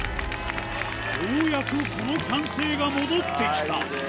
ようやくこの歓声が戻ってきた。